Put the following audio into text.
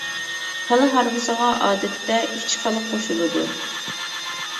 كالا ھارۋىسىغا ئادەتتە ئۈچ كالا قوشۇلىدۇ.